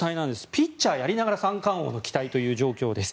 ピッチャーやりながら三冠王に期待という状態です。